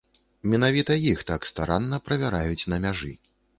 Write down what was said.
Менавіта іх так старанна правяраюць на мяжы.